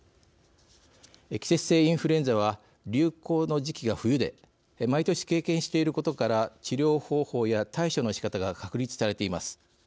季節性インフルエンザは流行の時期が冬で毎年経験していることから治療方法や対処の仕方が確立されています。